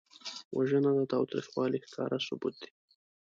وژنه د تاوتریخوالي ښکاره ثبوت دی